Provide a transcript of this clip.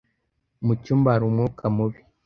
Mu cyumba hari umwuka mubi